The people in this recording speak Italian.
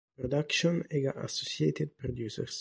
Production e la Associated Producers.